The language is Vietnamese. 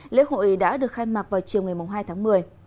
lễ hội đã được khai mạc vào chiều ngày hai tháng một mươi